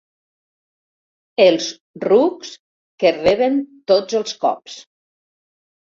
Els rucs que reben tots els cops.